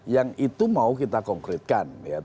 yang itu mau kita konkretkan